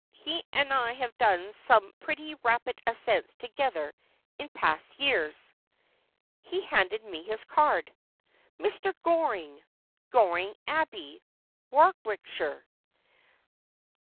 He and I have done same pretty rapid ascents toge ther in past years." ' He handed me his card. " Mr. Goring, Goring Abbey, Warwickshire."